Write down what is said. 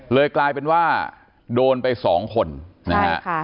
เลยกลายเป็นว่าโดนไปสองคนนะครับ